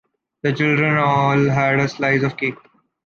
The children all had a slice of cake.